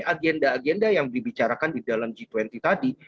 agenda agenda yang dibicarakan di dalam g dua puluh tadi